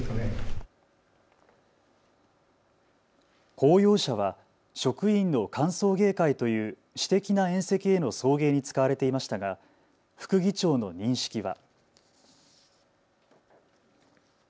公用車は職員の歓送迎会という私的な宴席会への送迎に使われていましたが副議長の認識は。